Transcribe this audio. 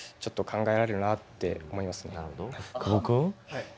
はい。